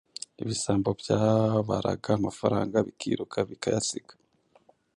ibisambo byabaraga amafaranga bikiruka bikayasiga,